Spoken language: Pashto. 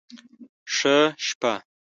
ښه شپه